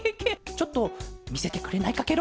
ちょっとみせてくれないかケロ？